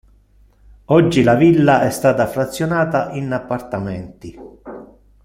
Oggi la villa è stata frazionata in appartamenti.